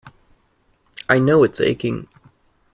I know it's aching.